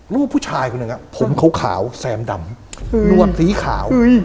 รูปผู้ชายคนนึงอะผมเขาขาวแซมดำนัวสีขาว